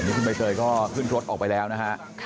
คุณใบเตยก็ขึ้นรถออกไปแล้วนะฮะ